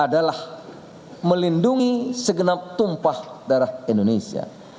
adalah melindungi segenap tumpah darah indonesia